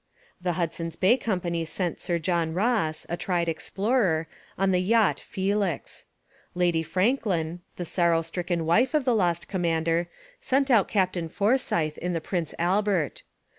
The Hudson's Bay Company sent Sir John Ross, a tried explorer, in the yacht Felix. Lady Franklin, the sorrow stricken wife of the lost commander, sent out Captain Forsyth in the Prince Albert.